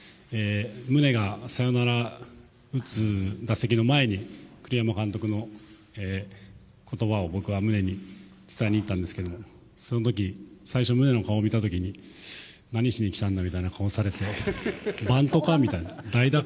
ムネがサヨナラを打つ打席の前に栗山監督の言葉を僕はムネに伝えに行ったんですけどその時、最初ムネの顔を見た時に何しに来たんだみたいな顔をされて代打か？